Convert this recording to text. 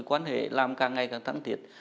cái quan hệ làm càng ngày càng thẳng tiệt